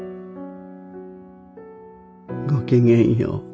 ごきげんよう。